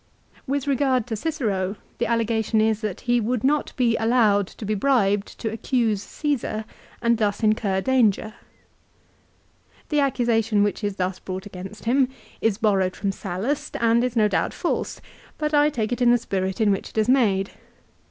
With regard to Cicero the allegation is that he would not be allowed to be bribed to accuse Caesar and thus incur danger. The accusation which is thus brought against him is borrowed from Sallust and is no doubt false ; but I take it in the spirit in which it is made.